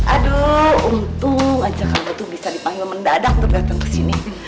aduh untung aja kamu tuh bisa dipanggil mendadak untuk datang ke sini